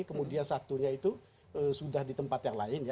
kemudian satunya itu sudah di tempat yang lain ya